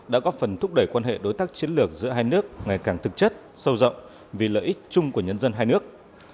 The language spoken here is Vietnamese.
đã góp phần thúc đẩy quan hệ đối tác chiến lược giữa hai nước ngày càng thực chất sâu rộng vì lợi ích chung của nhân dân hai nước